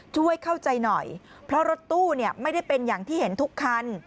ช่วยเข้าใจหน่อยเพราะรถตู้ไม่ได้เป็นอย่างที่เห็นทุกคัน